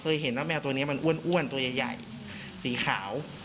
เห็นว่าแมวตัวนี้มันอ้วนตัวใหญ่สีขาว